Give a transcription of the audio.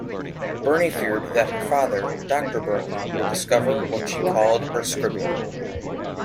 Burney feared that her father, Doctor Burney, would discover what she called her "scribbling".